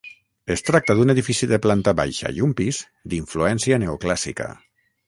Es tracta d'un edifici de planta baixa i un pis d'influència neoclàssica.